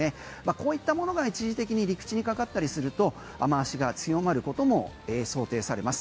こういったものが一時的に陸地にかかったりすると雨脚が強まることも想定されます。